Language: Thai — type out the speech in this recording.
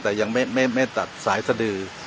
แต่ยังไม่ตัดสายสดือ